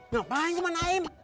ngapain gua naim